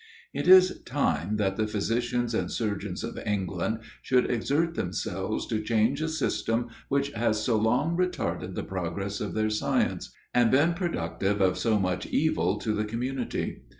It is time that the physicians and surgeons of England, should exert themselves to change a system which has so long retarded the progress of their science, and been productive of so much evil to the community.